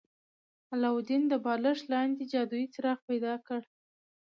علاوالدین د بالښت لاندې جادويي څراغ پیدا کړ.